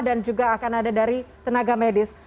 dan juga akan ada dari tenaga medis